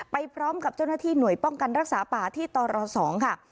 ไปพร้อมกับเจ้าหน้าที่หน่วยป้องกันรักษาป่าที่ตร๒ค่ะ